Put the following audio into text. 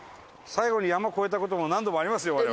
最後に山越えた事も何度もありますよ